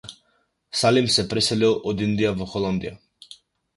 Салим се преселил од Индија во Холандија.